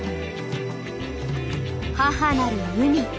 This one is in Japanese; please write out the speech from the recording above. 母なる海。